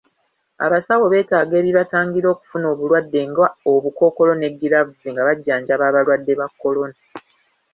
Abasawo beetaaga ebibatangira okufuna obulwadde nga obukkookolo ne giraavuzi nga bajjanjaba abalwadde ba kolona.